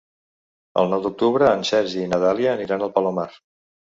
El nou d'octubre en Sergi i na Dàlia aniran al Palomar.